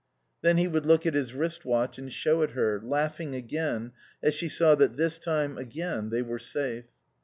Then he would look at his wrist watch and show it her, laughing again as she saw that this time, again, they were safe.